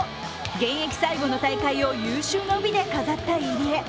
現役最後の大会を有終の美で飾った入江。